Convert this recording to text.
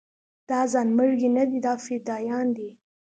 دا ځانمرګي نه دي دا فدايان دي.